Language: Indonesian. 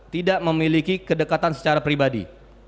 tidak memiliki kedekatan secara pribadi